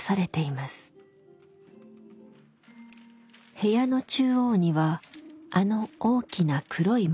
部屋の中央にはあの大きな黒い模造紙。